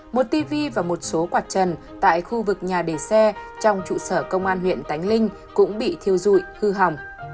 một tv và một số quạt trần tại khu vực nhà để xe trong trụ sở công an huyện tánh linh cũng bị thiêu dụi hư hỏng